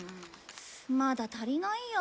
まだ足りないや。